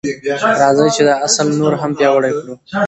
راځئ چې دا اصل نور هم پیاوړی کړو.